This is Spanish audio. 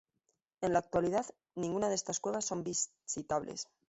En la actualidad ninguna de estas cuevas son visitables.